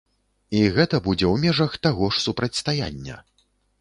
І гэта будзе ў межах таго ж супрацьстаяння.